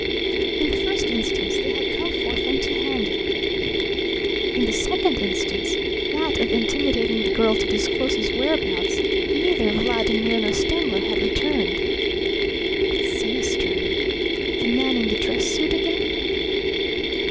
In the first instance they had come forth empty handed. In the second instance that of intimidating the girl to disclose his whereabouts neither Vladimir nor Stemmler had returned. Sinister. The man in the dress suit again?